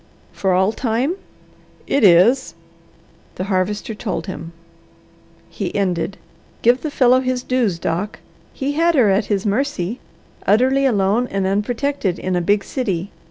"For all time?" "It is." The Harvester told him. He ended, "Give the fellow his dues, Doc. He had her at his mercy, utterly alone and unprotected, in a big city.